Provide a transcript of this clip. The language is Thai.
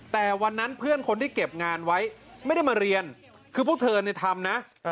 แต่วันนั้นเพื่อนคนที่เก็บงานไว้ไม่ได้มาเรียนคือพวกเธอเนี่ยทำนะ